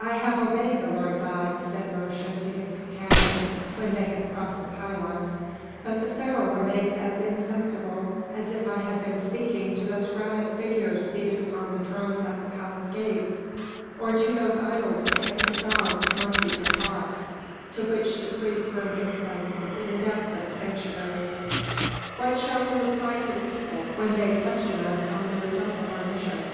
"I have obeyed the Lord God," said Mosche to his companion when they had crossed the pylon, "but the Pharaoh remains as insensible as if I had been speaking to those granite figures seated upon thrones at the palace gates, or to those idols with heads of dogs, monkeys, or hawks to which the priests burn incense within the depths of the sanctuaries. What shall we reply to the people when they question us on the result of our mission?"